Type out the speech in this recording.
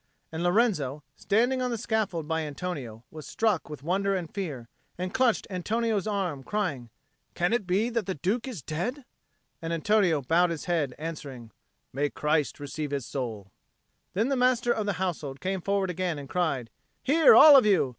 And Lorenzo, standing on the scaffold by Antonio, was struck with wonder and fear, and clutched Antonio's arm, crying, "Can it be that the Duke is dead?" And Antonio bowed his head, answering, "May Christ receive his soul!" Then the Master of the Household came forward again and cried, "Hear all of you!